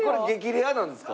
レアなんですか？